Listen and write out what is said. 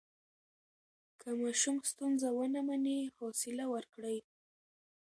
که ماشوم ستونزه ونه مني، حوصله ورکړئ.